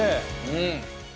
うん。